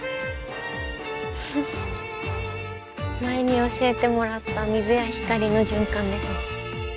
前に教えてもらった水や光の循環ですね。